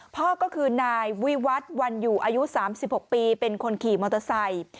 พ่อก็คือนายวิวัฒน์วันอยู่อายุ๓๖ปีเป็นคนขี่มอเตอร์ไซค์